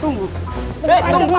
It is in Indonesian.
tunggu tunggu tunggu